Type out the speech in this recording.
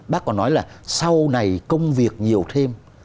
bác còn nói là sau này công việc nhiều thêm